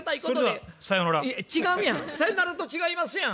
違うやん「さよなら」と違いますやん。